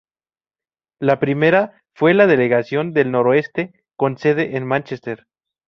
La primera fue la Delegación del Noroeste, con sede en Manchester.